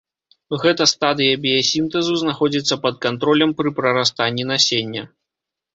Гэта стадыя біясінтэзу знаходзіцца пад кантролем пры прарастанні насення.